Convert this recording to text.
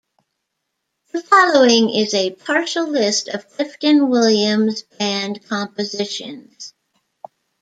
The following is a partial list of Clifton Williams's band compositions.